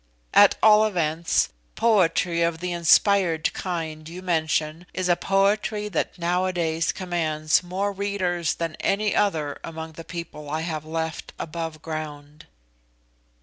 At all events, poetry of the inspired kind you mention is a poetry that nowadays commands more readers than any other among the people I have left above ground."